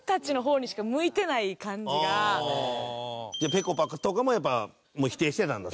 ぺこぱとかもやっぱ否定してたんだ？